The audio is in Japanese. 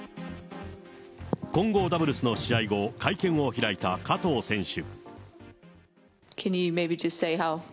混合ダブルスの試合後、会見を開いた加藤選手。